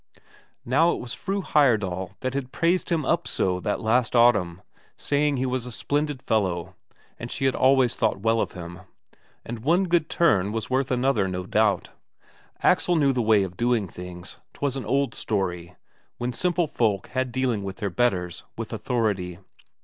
Now it was Fru Heyerdahl that had praised him up so that last autumn, saying he was a splendid fellow and she had always thought well of him; and one good turn was worth another, no doubt. Axel knew the way of doing things; 'twas an old story, when simple folk had dealing with their betters, with authority.